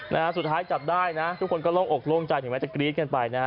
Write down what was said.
นะฮะสุดท้ายจับได้นะทุกคนก็โล่งอกโล่งใจถึงแม้จะกรี๊ดกันไปนะฮะ